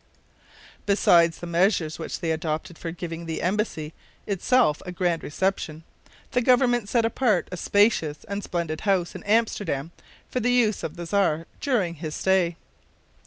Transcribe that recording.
Besides the measures which they adopted for giving the embassy itself a grand reception, the government set apart a spacious and splendid house in Amsterdam for the use of the Czar during his stay.